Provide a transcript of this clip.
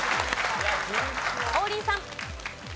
王林さん。